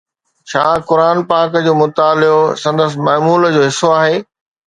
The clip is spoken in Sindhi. ڇا قرآن پاڪ جو مطالعو سندس معمول جو حصو آهي؟